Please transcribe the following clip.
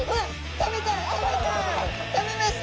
食べました！